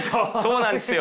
そうなんですよ。